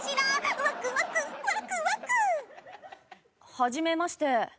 はじめまして。